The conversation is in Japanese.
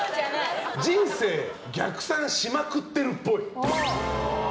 人生逆算しまくってるっぽい。